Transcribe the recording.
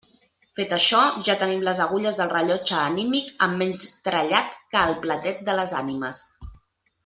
Fet això, ja tenim les agulles del rellotge anímic amb menys trellat que el platet de les ànimes.